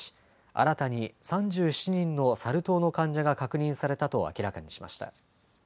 新たに３７人のサル痘の患者が確認されたと明らかにしました。